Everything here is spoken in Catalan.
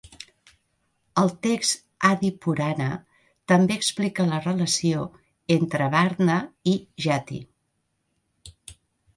El text Adi Purana també explica la relació entre Varna i Jati.